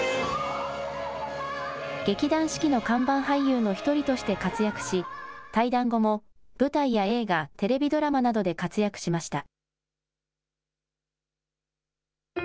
劇団四季の看板俳優の１人として活躍し、退団後も、舞台や映画、テレビドラマなどで活躍しました。